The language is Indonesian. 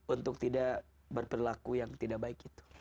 untuk tidak berperlaku yang tidak baik gitu